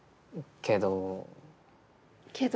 けど。